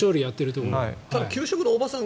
ただ、給食のおばさん